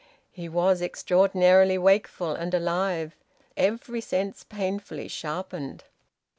He was extraordinarily wakeful and alive, every sense painfully sharpened.